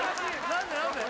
何で？